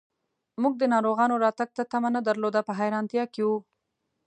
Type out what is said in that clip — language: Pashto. موږ د ناروغانو راتګ ته تمه نه درلوده، په حیرانتیا کې و.